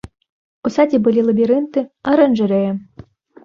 У садзе былі лабірынты, аранжарэя.